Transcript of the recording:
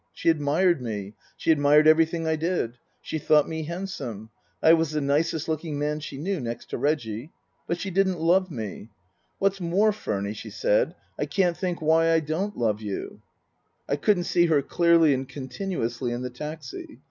She admired me ; she admired everything I did ; she thought me handsome ; I was the nicest looking man she knew, next to Reggie. But she didn't love me. " What's more, Furny," she said, " I can't think why I don't love you." I couldn't $ee her clearly and continuously in the taxi.